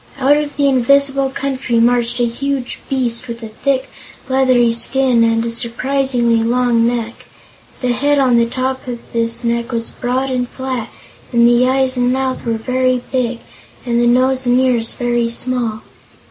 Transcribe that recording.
Out of the invisible country marched a huge beast with a thick, leathery skin and a surprisingly long neck. The head on the top of this neck was broad and flat and the eyes and mouth were very big and the nose and ears very small.